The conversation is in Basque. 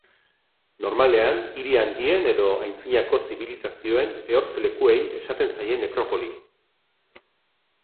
Normalean, hiri handien edo antzinako zibilizazioen ehortz-lekuei esaten zaie nekropoli.